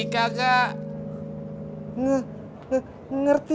begitu dia keluar lo foto dia